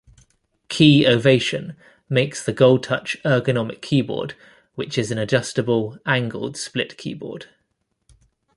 Key Ovation makes the Goldtouch ergonomic keyboard which is an adjustable angled split keyboard.